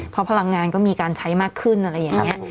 เพราะพลังงานก็มีการใช้มากขึ้นอะไรอย่างนี้